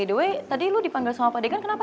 by the way tadi lo dipanggil sama pak dekan kenapa